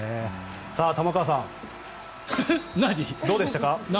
玉川さん、どうでしたか？